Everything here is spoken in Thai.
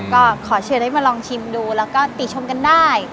ก็ขอเชียร์ได้มาลองชิมดูแล้วก็ติดชมกันได้